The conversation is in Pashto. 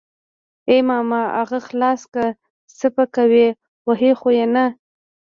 ای ماما اغه خلاص که څه پې کوي وهي خو يې نه.